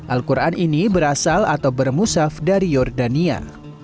al quran ini berasal atau bermusaf dari jordania